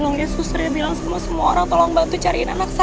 longnya suster yang bilang semua semua orang tolong bantu cariin anak saya